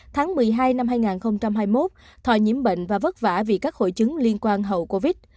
tháng một mươi hai năm hai nghìn hai mươi một thòi nhiễm bệnh và vất vả vì các hội chứng liên quan hậu covid